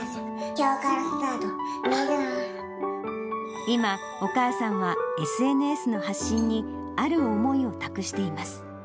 きょうから今、お母さんはＳＮＳの発信に、ある思いを託しています。